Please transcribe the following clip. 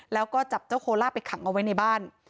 แล้วก็จับเจ้าโคล่าไปขังเอาไว้ในบ้าน